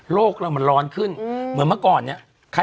โลกเรามันร้อนขึ้นเหมือนเมื่อก่อนเนี่ย